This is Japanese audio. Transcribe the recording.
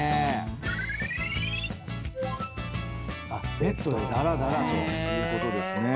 ベッドでだらだらということですね。